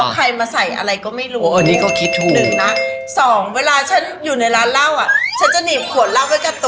แก้วอะไรแก้วไม่ต้องคราของนะตำรู้อ่ะ